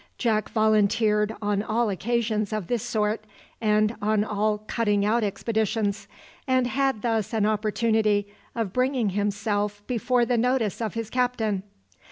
Jack volunteered on all occasions of this sort, and on all cutting out expeditions, and had thus an opportunity of bringing himself before the notice of his captain.